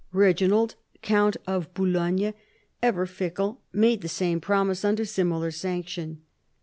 Eeginald, count of Boulogne, ever fickle, made the same promise, under similar sanction.